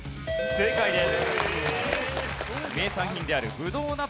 正解です。